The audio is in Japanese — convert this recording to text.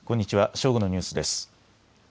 正午のニュースです。